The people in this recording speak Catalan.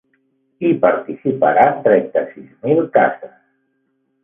Hi participaran trenta-sis mil cases.